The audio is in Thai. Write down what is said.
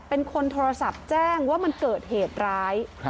เป็นคนโทรศัพท์แจ้งว่ามันเกิดเหตุร้าย